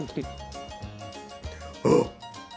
あっ！